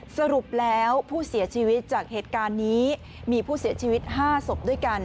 สรุปแล้วผู้เสียชีวิตจากเหตุการณ์นี้มีผู้เสียชีวิต๕ศพด้วยกัน